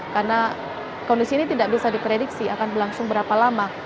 karena kondisi ini tidak bisa diprediksi akan berlangsung berapa lama